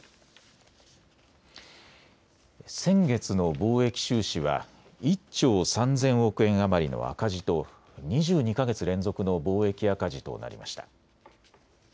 先月の貿易収支は１兆３０００億円余りの赤字と２２か月連続の貿易赤字となりました。